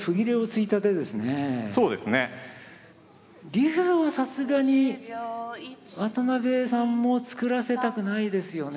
竜はさすがに渡辺さんも作らせたくないですよね。